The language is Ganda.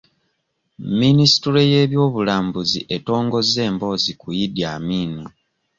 Minisitule y'ebyobulambuzi etongozza emboozi ku Idi Amin.